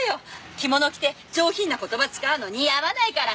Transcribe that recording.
着物着て上品な言葉使うの似合わないから。